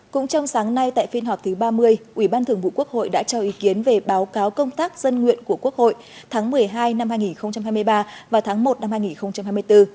cũng trong sáng nay tại phiên họp thứ ba mươi ủy ban thường vụ quốc hội đã cho ý kiến về báo cáo công tác dân nguyện của quốc hội tháng một mươi hai năm hai nghìn hai mươi ba và tháng một năm hai nghìn hai mươi bốn